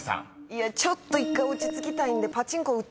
いやちょっと１回落ち着きたいんで。